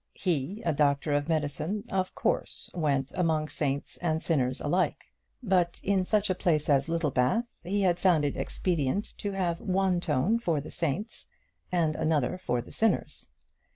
He, a doctor of medicine, of course went among saints and sinners alike, but in such a place as Littlebath he had found it expedient to have one tone for the saints and another for the sinners.